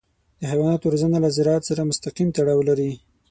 د حیواناتو روزنه له زراعت سره مستقیم تړاو لري.